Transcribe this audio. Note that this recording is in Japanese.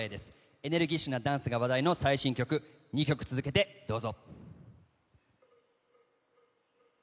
エネルギッシュなダンスが話題の最新曲を２曲続けてどうぞ。